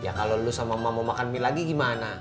ya kalau lu sama mama mau makan mie lagi gimana